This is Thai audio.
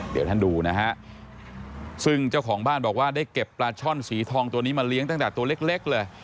เดี๋ยวท่านดูนะฮะซึ่งเจ้าของบ้านบอกว่าได้เก็บปลาช่อนสีทองตัวนี้มาเลี้ยงตั้งแต่ตัวเล็กเลย